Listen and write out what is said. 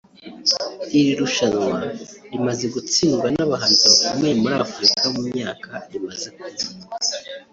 Iri rushanwa rimaze gutsindirwa n’abahanzi bakomeye muri Afurika mu myaka rimaze kuba